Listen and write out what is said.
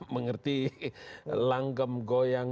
mengerti langgem goyang